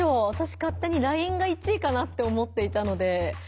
わたし勝手にＬＩＮＥが１位かなって思っていたので。